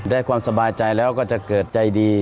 ได้ความสบายใจแล้วก็จะเกิดใจดี